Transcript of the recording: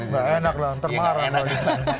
enak dong nanti marah